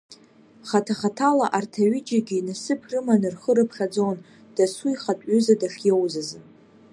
Хаҭа-хаҭала арҭ аҩыџьагьы насыԥ рыманы рхы рыԥхьаӡон, дасу ихатә ҩыза дахьиоуз азы.